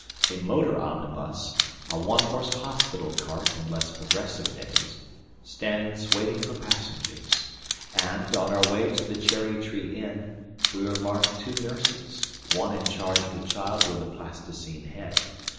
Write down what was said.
A motor omnibus (a one horse hospital cart in less progressive days) stands waiting for passengers; and, on our way to the Cherry Tree Inn, we remark two nurses, one in charge of a child with a plasticine head.